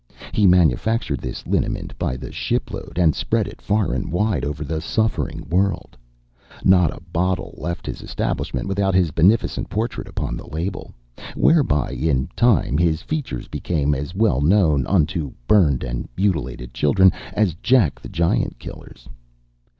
He manufactured this liniment by the ship load, and spread it far and wide over the suffering world; not a bottle left his establishment without his beneficent portrait upon the label, whereby, in time, his features became as well known unto burned and mutilated children as Jack the Giant Killer's.